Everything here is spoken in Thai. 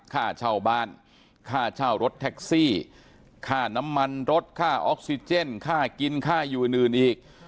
ค่าเช่าบ้านค่าเช่ารถแท็กซี่ค่าน้ำมันรถค่าออกซิเจนค่ากินค่าอยู่อื่นอีก